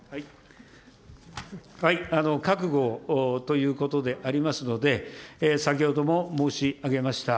覚悟ということでありますので、先ほども申し上げました